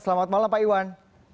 selamat malam pak iwan